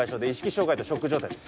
障害とショック状態です